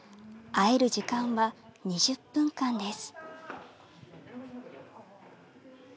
会える時間は２０分間です。